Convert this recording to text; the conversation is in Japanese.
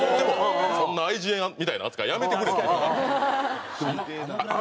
そんな愛人みたいな扱いはやめてくれと。